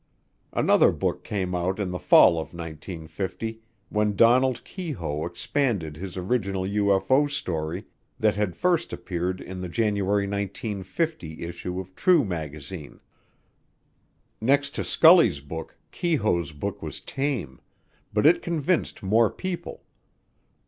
Another book came out in the fall of 1950 when Donald Keyhoe expanded his original UFO story that had first appeared in the January 1950 issue of True magazine. Next to Scully's book Keyhoe's book was tame, but it convinced more people.